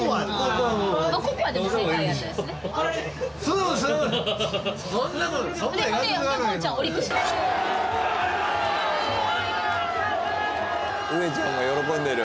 うえちゃんも喜んでる。